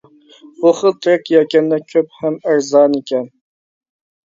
بۇ خىل تېرەك يەكەندە كۆپ ھەم ئەرزانىكەن.